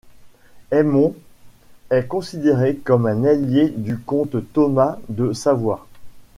Aymon est considéré comme un allié du comte Thomas de Savoie.